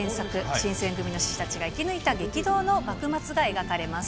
新選組の志士たちが生き抜いた激動の幕末が描かれます。